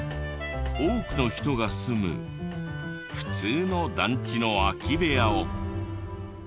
多くの人が住む普通の団地の空き部屋を。